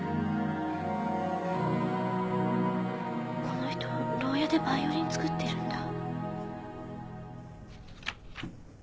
この人牢屋でバイオリン作ってるんだ。